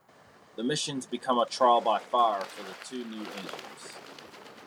The missions become a trial by fire for the two new agents.